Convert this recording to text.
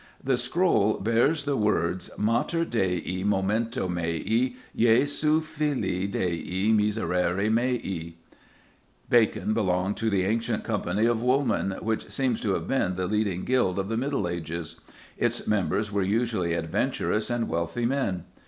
The scroll bears the words, "Mater Dei memento mei: Jesu fili Dei miserere mei." Bacon belonged to the ancient company of Woolmen, which seems to have been the leading guild of the Middle Ages; its members were usually adventurous and wealthy men.